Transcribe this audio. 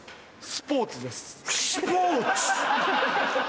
⁉「スポーツ」。